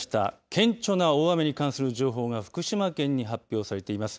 顕著な大雨に関する情報が福島県に発表されています。